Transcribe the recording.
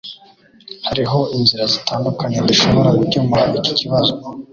Hariho inzira zitandukanye dushobora gukemura iki kibazo